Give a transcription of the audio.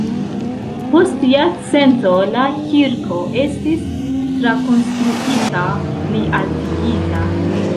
Post jarcento la kirko estis trakonstruita, plialtigita.